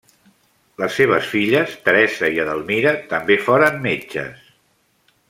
Les seves filles, Teresa i Edelmira, també foren metges.